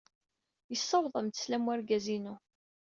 Yessawaḍ-am-d sslam wergaz-inu.